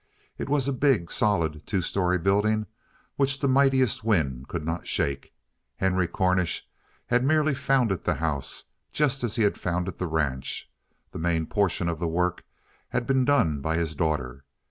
It was a big, solid, two story building which the mightiest wind could not shake. Henry Cornish had merely founded the house, just as he had founded the ranch; the main portion of the work had been done by his daughter.